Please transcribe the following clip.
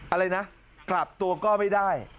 อะไรนะกลับตัวก็ไม่ได้